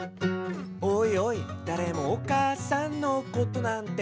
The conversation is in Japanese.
「おいおいだれもお母さんのことなんて」